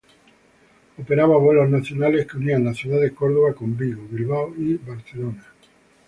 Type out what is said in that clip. Operaba vuelos nacionales que unían la ciudad de Córdoba con Vigo, Bilbao y Barcelona.